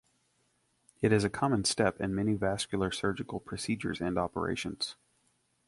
It is a common step in many vascular surgical procedures and operations.